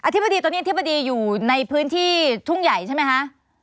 ธิบดีตอนนี้อธิบดีอยู่ในพื้นที่ทุ่งใหญ่ใช่ไหมคะ